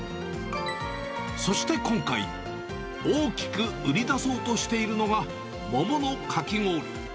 そして今回、大きく売り出そうとしているのが、桃のかき氷。